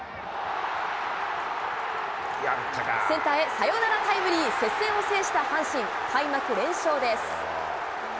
センターへサヨナラタイムリー、接戦を制した阪神。開幕連勝です。